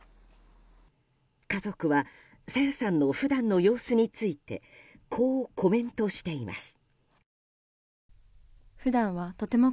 家族は朝芽さんの普段の様子についてこうコメントしています。